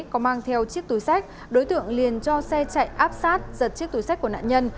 có mang theo chiếc túi sách đối tượng liền cho xe chạy áp sát giật chiếc túi sách của nạn nhân